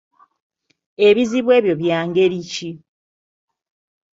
Ebizibu ebyo bya ngeri ki?